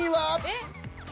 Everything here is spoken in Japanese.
えっ？